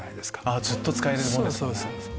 ずっと使えるものですよね。